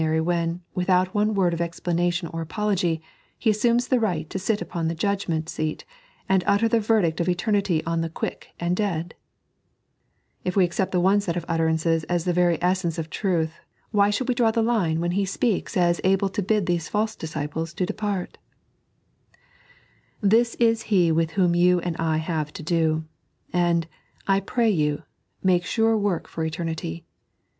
ry when, without one word of explanation or ftpology, He assumes the right to ait upon the judgment aeat and utter the verdict of eternity on the quick and dead ) If we accept the one set of utterancea as the very essence of truth, why ahonld we draw the line when He Bpeaks as able to bid these false disciples to depart 1 This is He with whom you and I have to do ; and, I pray you, make sure work for eternity.